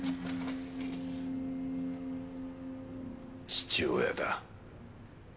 父親だ。